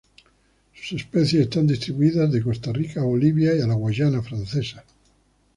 Sus especies están distribuidas de Costa Rica a Bolivia y a la Guayana Francesa.